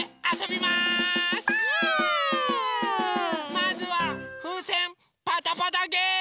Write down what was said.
まずはふうせんパタパタゲーム！